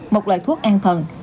một loại thuốc an thần